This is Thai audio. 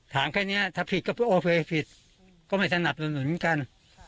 ถามแค่นี้ถ้าผิดก็โอเคถ้าผิดก็ไม่สนับสนุนเหมือนกัน